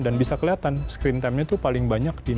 dan bisa kelihatan screen timenya tuh paling banyak di mana